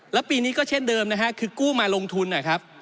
แล้วปีนี้ก็เช่นเดิมนะฮะคือกู้มาลงทุนนะครับ